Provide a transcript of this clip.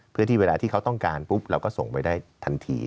เพื่อที่เวลาที่เขาต้องการปุ๊บเราก็ส่งไปได้ทันที